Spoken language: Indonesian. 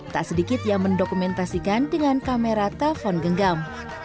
tak sedikit yang mendokumentasikan dengan kamera telpon genggam